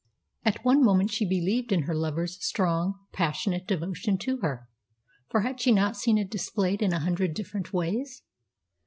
At one moment she believed in her lover's strong, passionate devotion to her, for had she not seen it displayed in a hundred different ways?